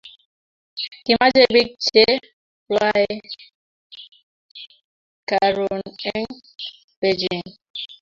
Kimache pik che rwae karun en Bejin